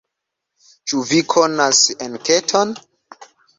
Ĉu vi konas enketon?